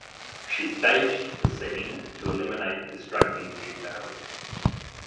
She staged the scene to eliminate distracting details.